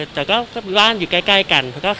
แต่ร่านอยู่ใกล้กัน